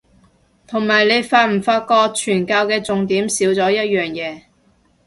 同埋你發唔發覺傳教嘅重點少咗一樣嘢